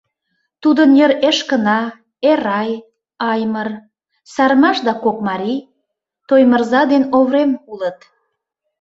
Тудын йыр Эшкына, Эрай, Аймыр, Сармаш да кок марий — Тоймырза ден Оврем — улыт.